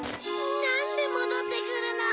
なんで戻ってくるの。